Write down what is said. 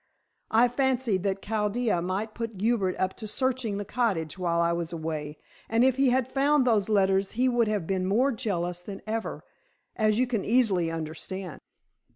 I fancied that Chaldea might put Hubert up to searching the cottage while I was away, and if he had found those letters he would have been more jealous than ever, as you can easily understand."